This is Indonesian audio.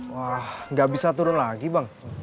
wah nggak bisa turun lagi bang